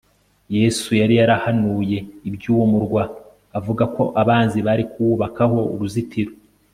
yesu yari yarahanuye iby'uwo murwa avuga ko abanzi bari kuwubakaho uruzitiro